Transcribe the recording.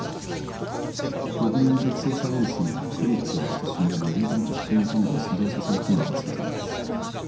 僕の遠隔操作ウイルスにはクリックを押した瞬間に相手のパソコンのカメラを作動させる機能が付いています